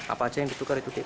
apa aja yang ditukar itu